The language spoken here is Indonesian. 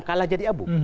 kalah jadi abu